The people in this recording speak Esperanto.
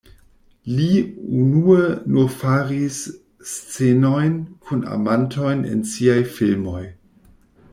Lee unue nur faris scenojn kun amantoj en siaj filmoj.